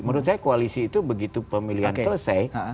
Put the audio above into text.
menurut saya koalisi itu begitu pemilihan selesai